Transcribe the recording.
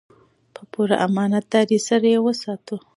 په پوره امانتدارۍ سره یې وساتو.